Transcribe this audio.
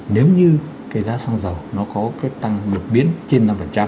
nếu như cái giá xăng dầu nó có cái tăng đột biến trên năm